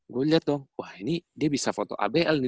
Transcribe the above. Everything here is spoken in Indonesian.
gua liat dong wah ini dia bisa foto abl nih